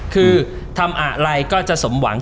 คือทำอะไรก็จะสมหวัง